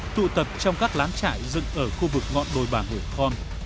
tụ tập trong các lán trại dựng ở khu vực ngọn đồi bảng hồ khon